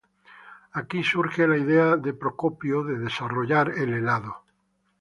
Aquí surge la idea de Procopio de desarrollar el helado.